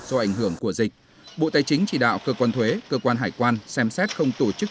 do ảnh hưởng của dịch bộ tài chính chỉ đạo cơ quan thuế cơ quan hải quan xem xét không tổ chức